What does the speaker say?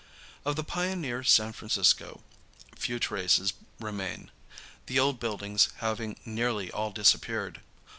Of the pioneer San Francisco few traces remain, the old buildings having nearly all disappeared.